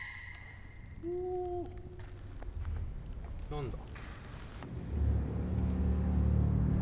何だ。